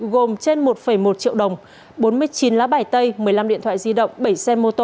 gồm trên một một triệu đồng bốn mươi chín lá bài tay một mươi năm điện thoại di động bảy xe mô tô